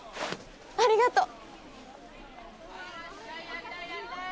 ありがとう！